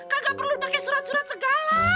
gak perlu pake surat surat segala